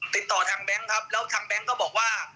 ติดต่อทางแบงค์ครับแล้วทางแบงค์ก็บอกว่า